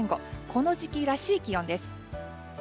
この時期らしい気温です。